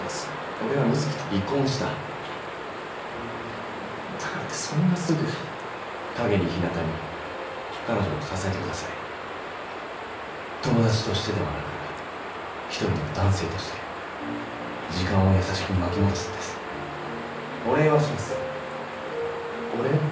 俺は瑞貴と離婚したいやだからってそんなすぐ陰にひなたに彼女を支えてください友達としてではなく１人の男性として時間を優しく巻き戻すんですお礼はしますお礼？